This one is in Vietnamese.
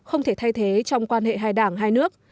không thể thay thế trong quan hệ hai đảng hai nước